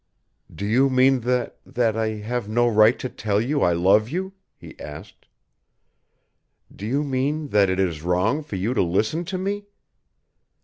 _" "Do you mean that that I have no right to tell you I love you?" he asked. "Do you mean that it is wrong for you to listen to me?